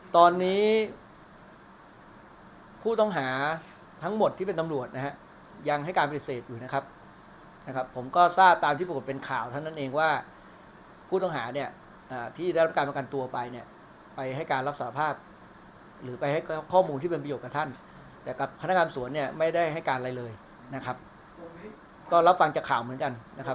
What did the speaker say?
ตอนนี้ผู้ต้องหาทั้งหมดที่เป็นตำรวจนะฮะยังให้การปฏิเสธอยู่นะครับนะครับผมก็ทราบตามที่ปรากฏเป็นข่าวเท่านั้นเองว่าผู้ต้องหาเนี่ยที่ได้รับการประกันตัวไปเนี่ยไปให้การรับสารภาพหรือไปให้ข้อมูลที่เป็นประโยชน์กับท่านแต่กับพนักงานสวนเนี่ยไม่ได้ให้การอะไรเลยนะครับก็รับฟังจากข่าวเหมือนกันนะครับ